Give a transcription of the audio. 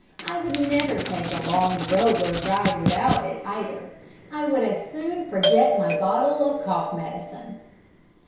I would never take a long railroad ride without it, eyether. I would as soon forget my bottle of cough medicine.